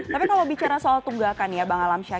tapi kalau bicara soal tunggakan ya bang alamsyah